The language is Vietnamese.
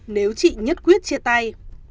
nếu chị nhất quyết chia tay